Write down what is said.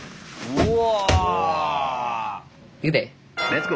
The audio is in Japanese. うわ！